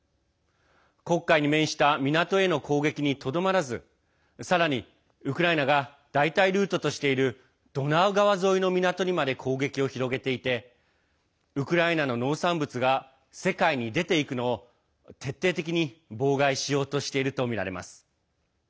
黒海に面した港への攻撃にとどまらずさらに、ウクライナが代替ルートとしているドナウ川沿いの港にまで攻撃を広げていてウクライナの農産物が世界に出ていくのを徹底的に妨害しようとしているとみられます。